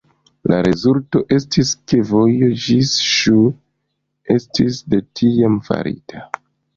La rezulto estis ke vojo ĝis Ŝu estis de tiam farita.